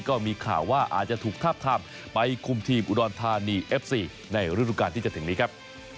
ก็มีข่าวว่าอาจจะถูกทาบทามไปคุมทีมอุดรธานีเอฟซีในฤดูการที่จะถึงนี้ครับ